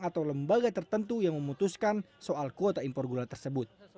atau lembaga tertentu yang memutuskan soal kuota impor gula tersebut